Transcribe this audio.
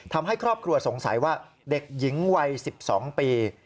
ทำให้ครอบครัวสงสัยว่าเด็กหญิงวัย๑๒ปี